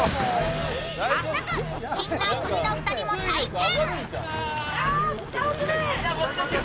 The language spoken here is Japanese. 早速、金の国の２人も体験。